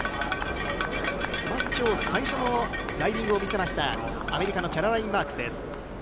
まずきょう最初のライディングを見せました、アメリカのキャロライン・マークスです。